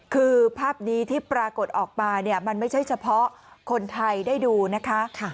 คือภาพนี้ที่ปรากฏออกมาเนี่ยมันไม่ใช่เฉพาะคนไทยได้ดูนะคะ